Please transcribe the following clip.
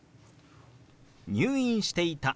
「入院していた」。